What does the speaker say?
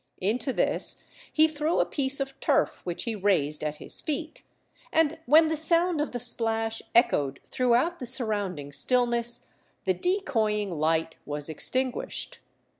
Into this he threw a piece of turf which he raised at his feet, and when the sound of the splash echoed throughout the surrounding stillness, the decoying light was extinguished.